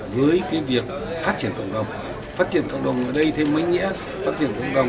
với cái việc phát triển cộng đồng phát triển cộng đồng ở đây thêm mấy nghĩa phát triển cộng đồng